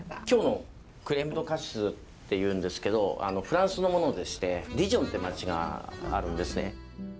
今日のクレームドカシスっていうんですけどフランスのものでしてディジョンって街があるんですね。